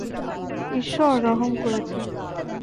ইশ্বর রহম করেছে!